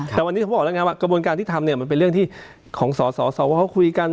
แต่วันนี้เขาบอกแล้วไงว่ากระบวนการที่ทำเนี่ยมันเป็นเรื่องที่ของสสวเขาคุยกัน